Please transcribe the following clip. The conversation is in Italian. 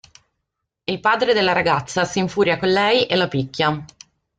Il padre della ragazza si infuria con lei e la picchia.